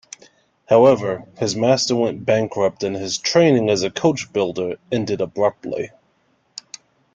However, his master went bankrupt and his training as a coach-builder ended abruptly.